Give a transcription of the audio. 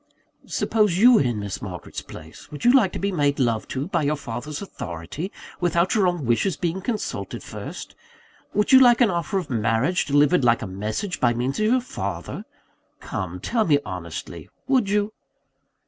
"Suppose you were in Miss Margaret's place, would you like to be made love to, by your father's authority, without your own wishes being consulted first? would you like an offer of marriage, delivered like a message, by means of your father? Come, tell me honestly, would you?"